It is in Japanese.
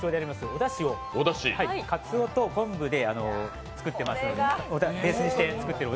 おだしをかつおと昆布をベースにして作っています。